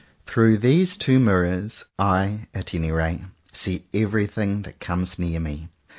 Through these two mirrors, I, at any rate, see everything that comes near me.